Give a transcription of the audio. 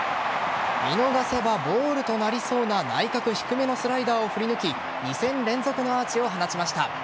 見逃せばボールとなりそうな内角低めのスライダーを振り抜き２戦連続のアーチを放ちました。